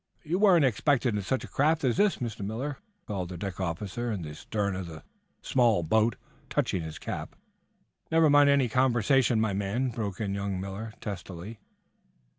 "You weren't expected in such a craft as this, Mr. Miller," called the deck officer in the stern of the small boat, touching his cap. "Never mind any conversation, my man," broke in young Miller, testily.